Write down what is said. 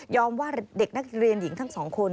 ว่าเด็กนักเรียนหญิงทั้งสองคน